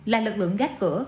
là lực lượng gác cửa